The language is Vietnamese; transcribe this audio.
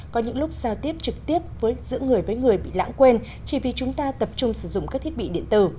có những lúc giao tiếp trực tiếp giữa người với người bị lãng quên chỉ vì chúng ta tập trung sử dụng các thiết bị điện tử